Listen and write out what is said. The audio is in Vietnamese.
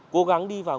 cố gắng đi vào